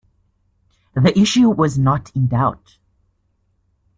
The issue was not in doubt.